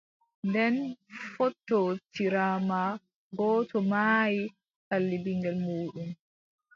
Nden fotootiraama, gooto maayi, ɗali ɓiŋngel muuɗum.